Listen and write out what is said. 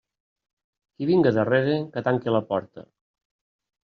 Qui vinga darrere, que tanque la porta.